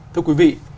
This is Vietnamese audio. thưa quý vị